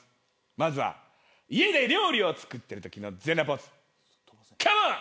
まずは家で料理を作っているときの全裸ポーズカモン。